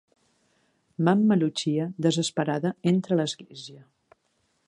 Mamma Lucia, desesperada, entra a l'església.